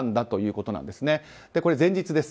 これ、前日です。